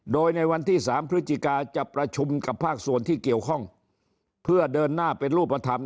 โดยในวันที่๓พฤศจิกาจะประชุมกับภาคส่วนที่เกี่ยวข้องเพื่อเดินหน้าเป็นรูปธรรม